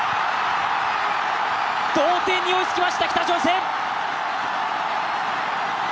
同点に追いつきました北朝鮮。